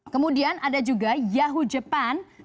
kemudian ada juga yahoo japan